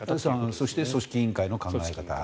そして組織委員会の考え方。